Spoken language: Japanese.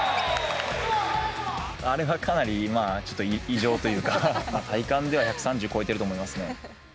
あれはかなりちょっと異常というか、体感では１３０超えてると思いますね。